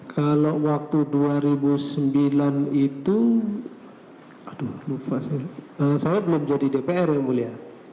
kalau waktu dua ribu sembilan itu aduh lupa saya belum jadi dpr yang mulia